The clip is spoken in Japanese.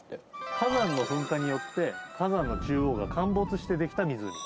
火山の噴火によって火山の中央が陥没してできた湖なんです。